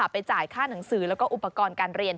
ไปจ่ายค่าหนังสือแล้วก็อุปกรณ์การเรียน